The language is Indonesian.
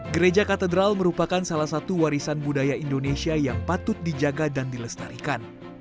gereja katedral merupakan salah satu warisan budaya indonesia yang patut dijaga dan dilestarikan